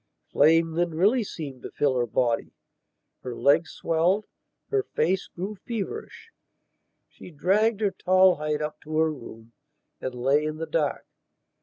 Flame then really seemed to fill her body; her legs swelled; her face grew feverish. She dragged her tall height up to her room and lay in the dark.